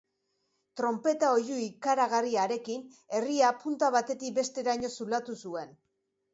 Tronpeta oihu ikaragarri harekin herria punta batetik besteraino zulatu zuen.